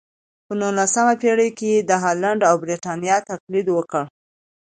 په نولسمه پېړۍ کې یې د هالنډ او برېټانیا تقلید وکړ.